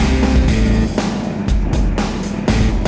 udah bocan mbak